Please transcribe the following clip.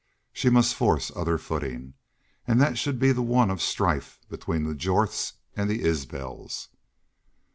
She must force other footing and that should be the one of strife between the Jorths and Isbels.